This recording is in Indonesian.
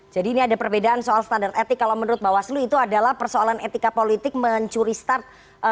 jadi ini ada perbedaan soal standar etik kalau menurut bawaslu itu adalah persoalan etika politik mencuri start kampanye